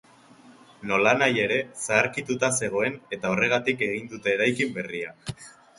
Nolanahi ere, zaharkituta zegoen, eta horregatik egin dute eraikin berria.